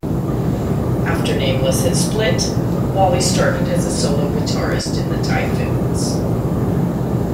After Nameless had split, Walli started as a solo guitarist in The Typhoons.